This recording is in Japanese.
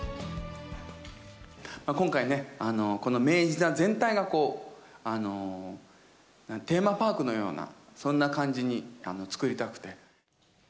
今回ね、この明治座全体がテーマパークのような、そんな感じに作りたくて。